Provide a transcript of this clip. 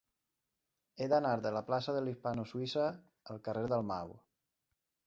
He d'anar de la plaça de la Hispano Suïssa al carrer de Dalmau.